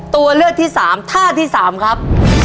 ตัวเลือกที่สามท่าที่สามครับ